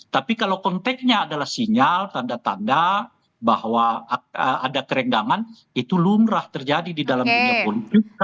tapi kalau konteknya adalah sinyal tanda tanda bahwa ada kerenggangan itu lumrah terjadi di dalam dunia politik